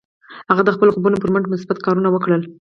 هغه د خپلو خوبونو پر مټ مثبت کارونه وکړل.